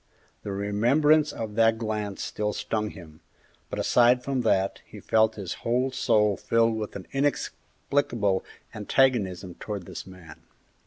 The remembrance of that glance still stung him, but aside from that, he felt his whole soul filled with an inexplicable antagonism towards this man.